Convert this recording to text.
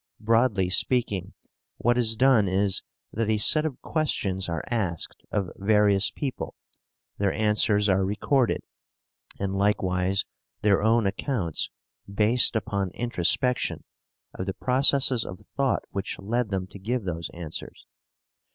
Broadly speaking, what is done is, that a set of questions are asked of various people, their answers are recorded, and likewise their own accounts, based upon introspection, of the processes of thought which led them to give those answers.